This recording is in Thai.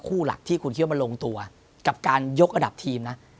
คู่หลักที่คุณเคลื่อนมาลงตัวกับการยกอัดับทีมนะ